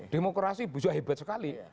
demokrasi juga hebat sekali